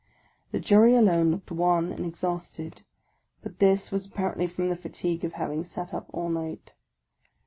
The Jury alone looked wan and exhausted, but this was ap parently from the fatigue of having sat up all night.